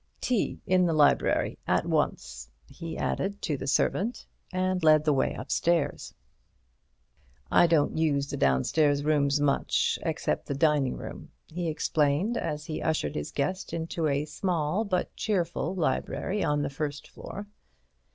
Tea in the library at once," he added to the servant, and led the way upstairs. "I don't use the downstairs rooms much, except the dining room," he explained, as he ushered his guest into a small but cheerful library on the first floor.